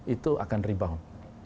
itu akan rebound